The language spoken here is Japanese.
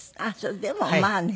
でもまあね